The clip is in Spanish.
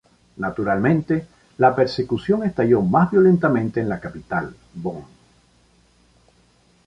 Naturalmente, la persecución estalló más violentamente en la capital, Bonn.